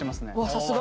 さすが。